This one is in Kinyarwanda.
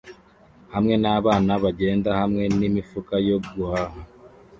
hamwe n’abana bagenda hamwe n’imifuka yo guhaha